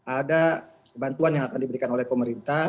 ada bantuan yang akan diberikan oleh pemerintah